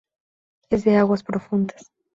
Es de aguas profundas.